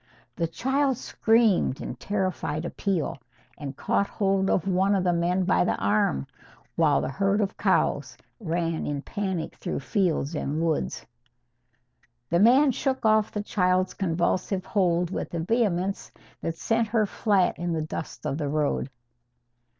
The child screamed in terrified appeal, and caught hold of one of the men by the arm, while the herd of cows ran in panic through fields and woods. The man shook off the child's convulsive hold with a vehemence that sent her flat in the dust of the road.